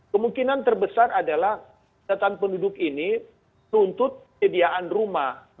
kemungkinan terbesar adalah datang penduduk ini tuntut kebidikan rumah